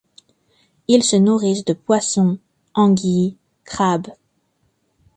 Ils se nourrissent de poissons, anguilles, crabes...